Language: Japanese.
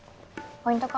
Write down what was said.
ポイント